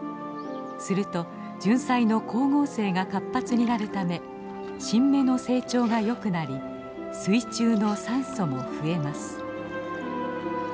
するとジュンサイの光合成が活発になるため新芽の成長がよくなり水中の酸素も増えます。